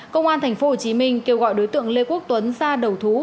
công an tp hcm kêu gọi đối tượng lê quốc tuấn ra đầu thú